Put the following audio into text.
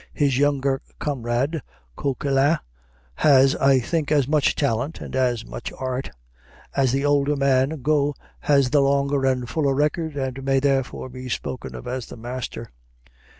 His younger comrade, Coquelin, has, I think, as much talent and as much art; as the older man Got has the longer and fuller record and may therefore be spoken of as the master.